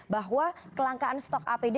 bahwa kelangkaan stok apd